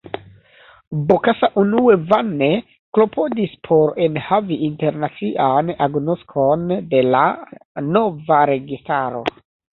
Bokassa unue vane klopodis por ekhavi internacian agnoskon de la nova registaro.